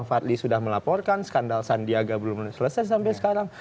fadli sudah melaporkan skandal sandiaga belum selesai sampai sekarang